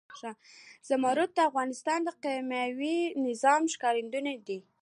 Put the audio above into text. زمرد د افغانستان د اقلیمي نظام ښکارندوی ده.